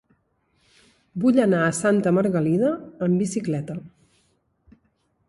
Vull anar a Santa Margalida amb bicicleta.